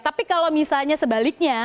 tapi kalau misalnya sebaliknya